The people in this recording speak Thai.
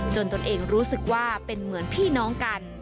ตนเองรู้สึกว่าเป็นเหมือนพี่น้องกัน